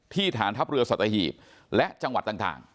ฐานทัพเรือสัตหีบและจังหวัดต่าง